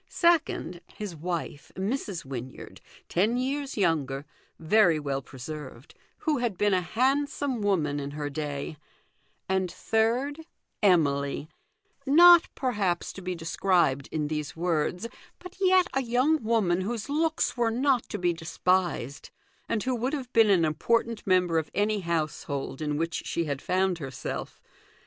Second, his wife, Mrs. Wynyard, ten years younger, very well preserved, who had been a handsome woman in her day ; and third, Emily, not, perhaps, to be described in these words, but yet a young woman whose looks were not to be despised, and who would have been an important member of any house hold in which she had found herself.